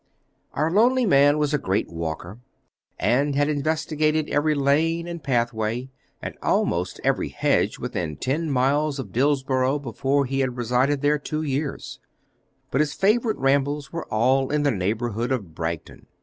Our lonely man was a great walker, and had investigated every lane and pathway, and almost every hedge within ten miles of Dillsborough before he had resided there two years; but his favourite rambles were all in the neighbourhood of Bragton.